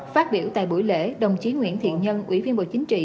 phát biểu tại buổi lễ đồng chí nguyễn thiện nhân ủy viên bộ chính trị